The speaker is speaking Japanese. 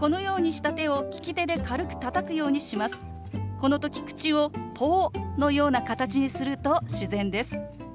この時口を「ポー」のような形にすると自然です。